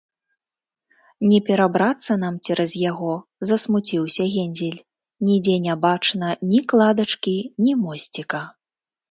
- Не перабрацца нам цераз яго, - засмуціўся Гензель, - нідзе не бачна ні кладачкі, ні мосціка